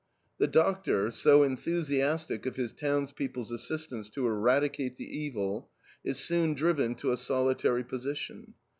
The doctor, so enthusiastic of his townspeople's assistance to eradicate the evil, is soon driven to a solitary position.